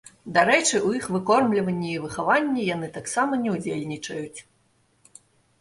Дарэчы, у іх выкормліванні і выхаванні яны таксама не ўдзельнічаюць.